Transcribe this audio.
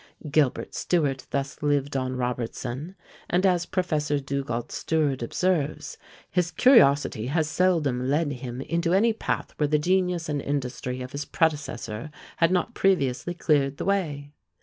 Gilbert Stuart thus lived on Robertson: and as Professor Dugald Stewart observes, "his curiosity has seldom led him into any path where the genius and industry of his predecessor had not previously cleared the way."